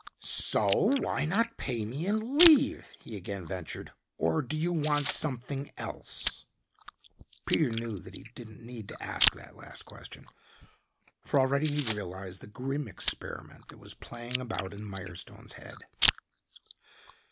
"So, why not pay me and leave?" he again ventured. "Or do you want something else?" Peter knew that he didn't need to ask that last question, for already he realized the grim experiment that was playing about in Mirestone's head.